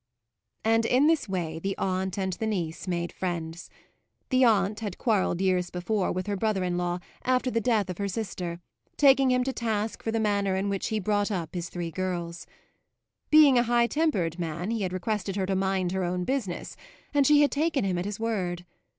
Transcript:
And in this way the aunt and the niece made friends. The aunt had quarrelled years before with her brother in law, after the death of her sister, taking him to task for the manner in which he brought up his three girls. Being a high tempered man he had requested her to mind her own business, and she had taken him at his word.